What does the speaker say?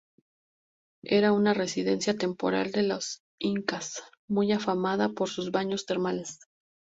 Era una residencia temporal de los incas, muy afamada por sus baños termales.